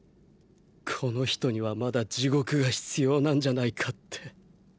この人にはまだ地獄が必要なんじゃないかって。